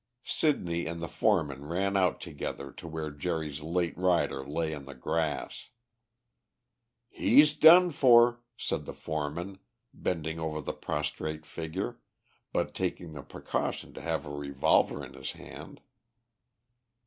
Sidney and the foreman ran out together to where Jerry's late rider lay on the grass. "He's done for," said the foreman, bending over the prostrate figure, but taking the precaution to have a revolver in his hand.